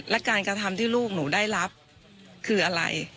และการกระทำที่ลูกหนูได้รับคืออะไร